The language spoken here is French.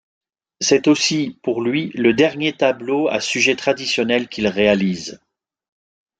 C'est aussi, pour lui, le dernier tableau à sujet traditionnel qu'il réalise.